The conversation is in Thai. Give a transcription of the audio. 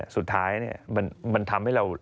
สุดท้ายมันทำให้เรา